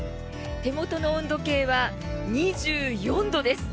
手元の温度計は２４度です。